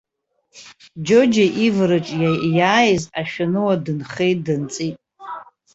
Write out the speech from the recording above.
Џьоџьа ивараҿ иааиз ашәануа дынхеит-дынҵит.